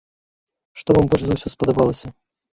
Што вам больш за ўсё спадабалася?